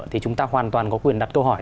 thì chúng ta hoàn toàn có quyền đặt câu hỏi